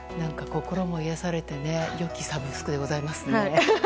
心も癒やされて良きサブスクでございますね。